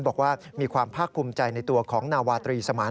บอกว่ามีความภาคภูมิใจในตัวของนาวาตรีสมาน